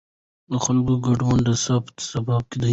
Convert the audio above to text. د خلکو ګډون د ثبات سبب دی